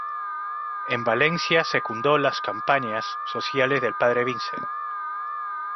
En Valencia secundó las campañas sociales del padre Vicent.